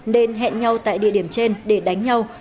nên hẹn nhau tại địa điểm trên để đánh nhau